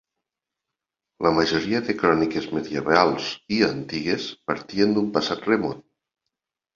La majoria de cròniques medievals i antigues partien d'un passat remot.